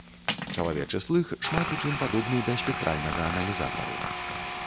Чалавечы слых шмат у чым падобны да спектральнага аналізатару.